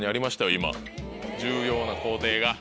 今重要な工程が。